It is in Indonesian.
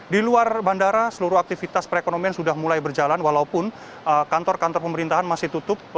di luar bandara seluruh aktivitas perekonomian sudah mulai berjalan walaupun kantor kantor pemerintahan masih tutup